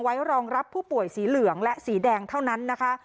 ไว้รองรับผู้ป่วยสีเหลืองและสีแดงเท่านั้นนะคะ